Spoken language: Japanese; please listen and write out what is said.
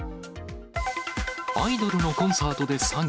アイドルのコンサートで詐欺。